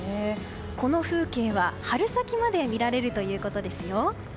この風景は春先まで見られるということですよ。